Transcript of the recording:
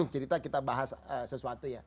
cerita kita bahas sesuatu ya